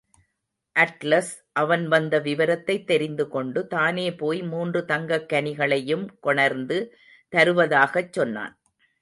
Atlas, அவன் வந்த விவரத்தைத் தெரிந்து கொண்டு, தானே போய் மூன்று தங்கக் கனிகளையும் கொணர்ந்து தருவதாகச் சொன்னான்.